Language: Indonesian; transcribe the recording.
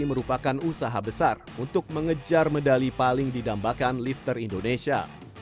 merupakan usaha besar untuk mengejar medali paling didambakan lifter indonesia